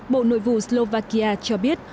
bộ nội vụ slovakia cho biết